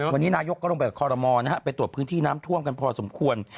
วันนี้อะไรก็เลยไปพื้นที่น้ำท่วมกันพอสมควร